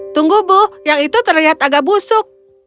tunggu bu yang itu terlihat agak busuk